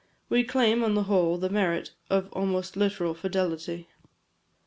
We claim, on the whole, the merit of almost literal fidelity.